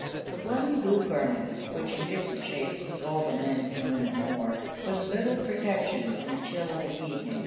The one blue garment, which in different shapes was all the men and women wore, was little protection from the chill of the evening.